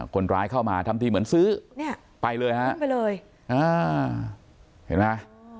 คนร้ายเข้ามาทำทีเหมือนซื้อเนี่ยไปเลยฮะไปเลยอ่าเห็นไหม